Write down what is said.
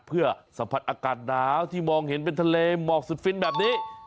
เพื่อสัมผัสอากาศหนาวที่มองเห็นเป็นทะเลหมอกสุดฟินแบบนี้